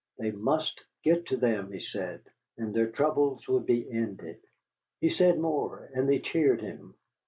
They must get to them, he said, and their troubles would be ended. He said more, and they cheered him.